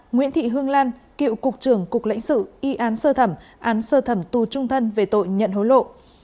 nguyễn thị hương lan cựu cục trưởng cục lãnh sự y án sơ thẩm án sơ thẩm tù trung thân về tội nhận hối lộ